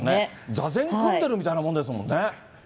座禅組んでるみたいなもんですもんね。